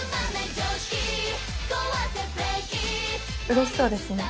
うれしそうですね。